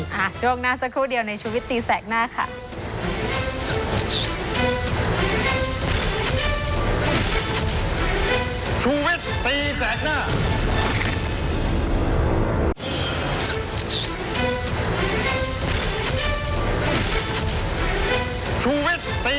ช่วงหน้าสักครู่เดียวในชีวิตตีแสกหน้าค่ะ